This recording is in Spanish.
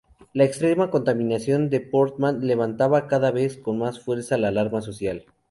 La extrema contaminación de Portmán levantaba cada vez con más fuerza la alarma social.